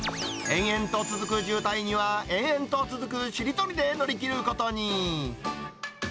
延々と続く渋滞には、延々と続くしりとりで乗り切ることに。